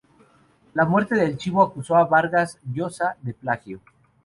La muerte del Chivo", acusó a Vargas Llosa de plagio.